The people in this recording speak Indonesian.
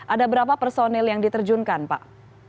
ada berapa personil yang diterjunkan pak